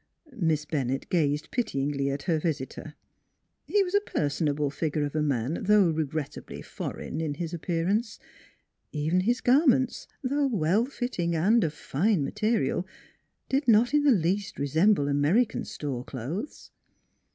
Miss Bennett gazed pityingly at her visitor. He was a personable figure of a man, though regret tably foreign in his appearance. Even his gar ments, though well fitting and of fine material, did not in the least resemble American store clothes.